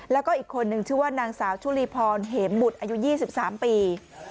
แล้วก็อีกคนนึงชื่อว่านางสาวชุลีพรเหมบุตรอายุ๒๓ปี